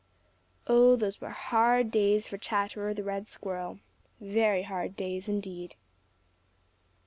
Oh, those were hard days for Chatterer the Red Squirrel, very hard days indeed.